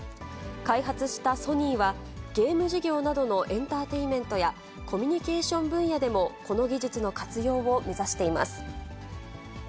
開発したソニーは、ゲーム事業などのエンターテインメントや、コミュニケーション分野でもこの技術の活用を目指しています。